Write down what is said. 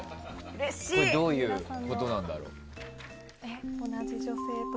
これ、どういうことなんだろう。